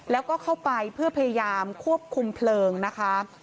แล้วก็เข้าไปเพื่อพยายามควบคุมเพลิงนะคะ